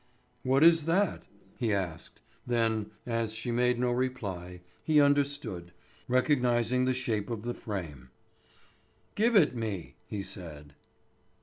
"What is that?" he asked. Then, as she made no reply, he understood, recognising the shape of the frame. "Give it me!" he said.